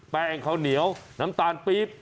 แป้งข้าวเหนียวน้ำตาลปี๊บ